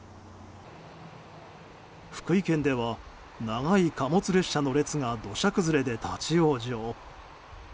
福井県では長い貨物列車の列が土砂崩れで立ち往生。